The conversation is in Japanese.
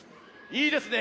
いいですね。